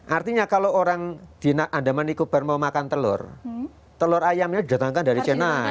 artinya kalau orang di andaman nicobar mau makan telur telur ayamnya didatangkan dari chennai